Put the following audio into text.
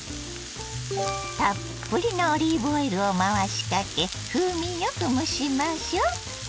たっぷりのオリーブオイルを回しかけ風味よく蒸しましょ。